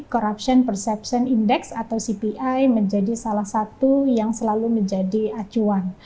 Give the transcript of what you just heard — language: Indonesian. corruption perception index atau cpi menjadi salah satu yang selalu menjadi acuan